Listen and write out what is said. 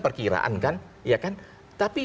perkiraan kan tapi